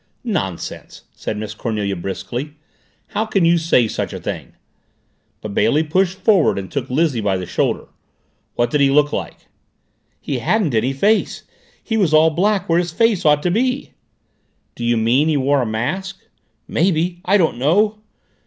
"Nonsense," said Miss Cornelia briskly. "How can you say such a thing?" But Bailey pushed forward and took Lizzie by the shoulder. "What did he look like?" "He hadn't any face. He was all black where his face ought to be." "Do you mean he wore a mask?" "Maybe. I don't know."